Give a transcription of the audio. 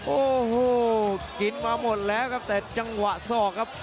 โอ้โหกินมาหมดแล้วครับแต่จังหวะศอกครับ